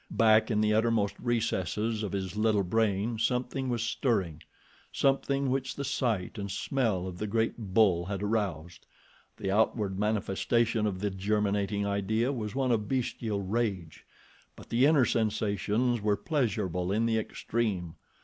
Back in the uttermost recesses of his little brain something was stirring—something which the sight and smell of the great bull had aroused. The outward manifestation of the germinating idea was one of bestial rage; but the inner sensations were pleasurable in the extreme.